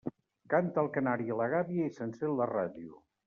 Canta el canari a la gàbia i s'encén la ràdio.